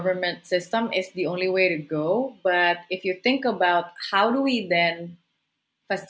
cara yang terakhir tapi jika anda berpikir tentang